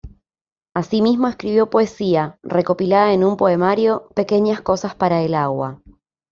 Así mismo escribió poesía, recopilada en un poemario: "Pequeñas cosas para el agua".